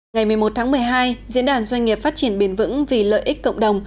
ngày một mươi một tháng một mươi hai diễn đàn doanh nghiệp phát triển bền vững vì lợi ích cộng đồng